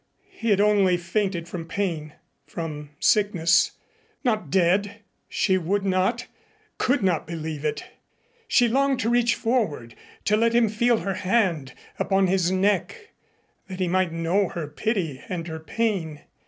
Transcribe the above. He had only fainted from pain, from sickness. Not dead she would not could not believe it. She longed to reach forward to let him feel her hand upon his neck that he might know her pity and her pain.